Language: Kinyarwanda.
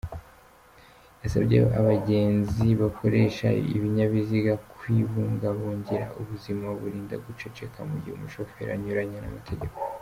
Yasabye abagenzi bakoresha ibinyabiziga kwibungabungira ubuzima birinda guceceka mu gihe umushoferi anyuranya n’amateheko.